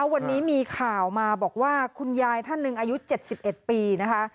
วันนี้มีข่าวมาบอกว่าคุณยายท่านหนึ่งอายุ๗๑ปีนะคะ